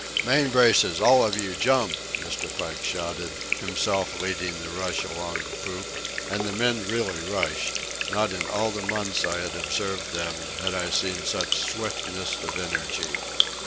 "Main braces!—all of you!—jump!" Mr. Pike shouted, himself leading the rush along the poop. And the men really rushed. Not in all the months I had observed them had I seen such swiftness of energy.